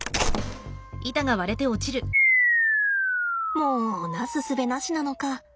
もうなすすべなしなのか。